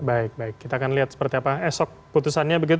baik baik kita akan lihat seperti apa esok putusannya begitu